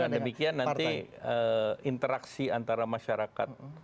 dan dengan demikian nanti interaksi antara masyarakat